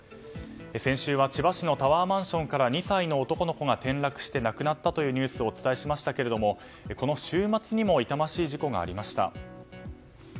先週は千葉市のタワーマンションから２歳の男の子が転落して亡くなったニュースをお伝えしましたがこの週末にも痛ましい事故がありました。